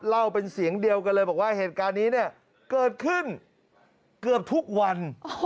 เล่าเป็นเสียงเดียวกันเลยบอกว่าเหตุการณ์นี้เนี่ยเกิดขึ้นเกือบทุกวัน